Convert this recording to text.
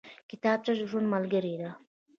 کتابچه د ژوند ملګرې ده